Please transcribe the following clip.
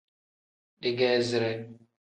Digeezire.